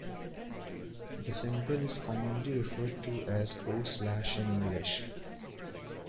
The symbol is commonly referred to as "o, slash" in English.